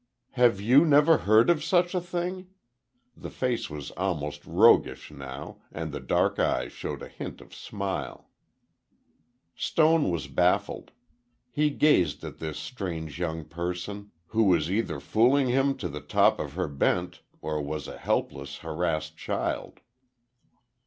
"Have you never heard of such a thing?" the face was almost roguish now, and the dark eyes showed a hint of smile. Stone was baffled. He gazed at this strange young person, who was either fooling him to the top of her bent or was a helpless, harassed child.